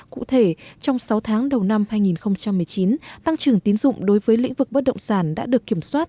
cụ thể trong sáu tháng đầu năm hai nghìn một mươi chín tăng trưởng tín dụng đối với lĩnh vực bất động sản đã được kiểm soát